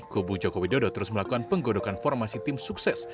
kubu jokowi dodo terus melakukan penggodokan formasi tim sukses